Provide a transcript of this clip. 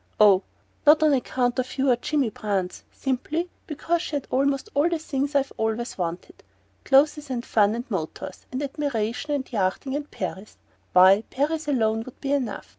Oh, not on account of you or Jimmy Brance! Simply because she had almost all the things I've always wanted: clothes and fun and motors, and admiration and yachting and Paris why, Paris alone would be enough!